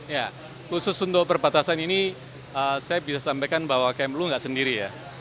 ya khusus untuk perbatasan ini saya bisa sampaikan bahwa kmlu nggak sendiri ya